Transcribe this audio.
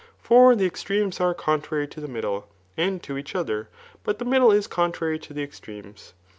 For the extremes are contrary to the middle, and to each other, but the middle is contrary to the extremes.